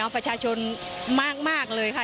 ประชาชนมากเลยค่ะ